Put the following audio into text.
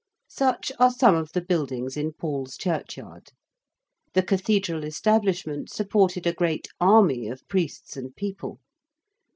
Such are some of the buildings in Paul's Churchyard. The Cathedral establishment supported a great army of priests and people.